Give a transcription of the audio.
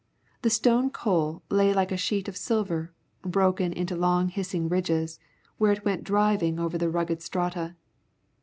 The Stone Coal lay like a sheet of silver, broken into long hissing ridges, where it went driving over the ragged strata.